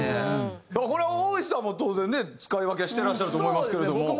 これオーイシさんも当然ね使い分けはしてらっしゃると思いますけれども。